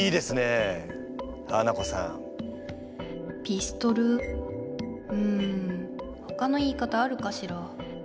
ピストルうんほかの言い方あるかしら？